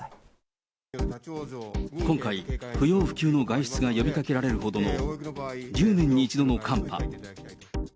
今回、不要不急の外出が呼びかけられるほどの、１０年に一度の寒波。